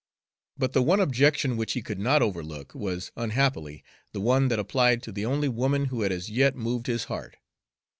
But the one objection which he could not overlook was, unhappily, the one that applied to the only woman who had as yet moved his heart.